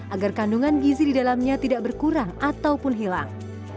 agar kandungan gizi di dalamnya tidak berkurang ataupun hilang